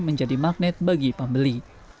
menjadi magnet bagi pembeli